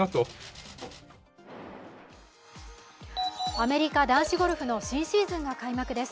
アメリカ男子ゴルフの新シーズンが開幕です。